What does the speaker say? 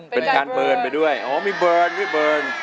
เป็นการเบิร์นไปด้วยอ๋อมีเบิร์น